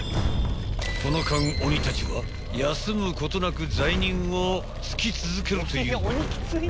［この間鬼たちは休むことなく罪人を突き続けるという］